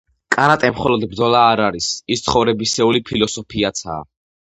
კარატე მხოლოდ ბრძოლა არ არის, ის ცხოვრებისეული ფილოსოფიაცაა.